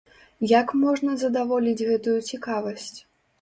Як можна задаволіць гэтую цікавасць?